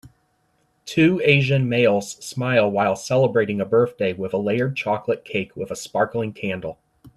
Two Asian males smile while celebrating a birthday with a layered chocolate cake with a sparkling candle.